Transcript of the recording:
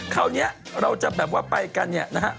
คราวนี้เราจะแบบว่าไปกันเนี่ยนะฮะ